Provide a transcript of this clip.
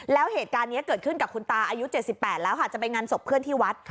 แล้วเหตุการณ์นี้เกิดขึ้นกับคุณตาอายุ๗๘แล้วค่ะจะไปงานศพเพื่อนที่วัด